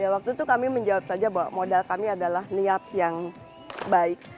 waktu itu kami menjawab saja bahwa modal kami adalah niat yang baik